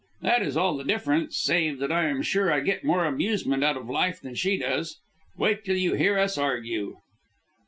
That is all the difference, save that I am sure I get more amusement out of life than she does. Wait till you hear us argue."